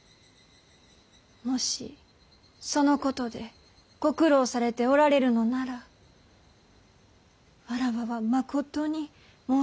もしそのことでご苦労されておられるのなら妾はまことに申し訳なく。